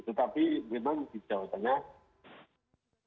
tetapi memang di jawa tengah